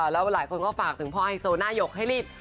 แล้วหลายคนก็ฝากถึงพ่อไฮโซน่ายกให้รีบ